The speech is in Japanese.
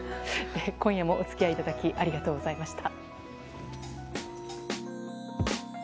今夜もお付き合いくださりありがとうございました。